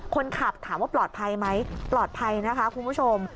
คนขับถามว่าปลอดภัยไหมปลอดภัยนะคะคุณผู้ชม